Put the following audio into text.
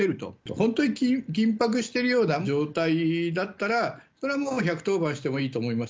本当に緊迫しているような状態だったら、それはもう１１０番してもいいと思います。